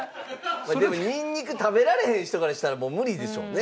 でもニンニク食べられへん人からしたらもう無理でしょうね。